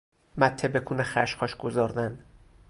مته بکون خشخاش گذاردن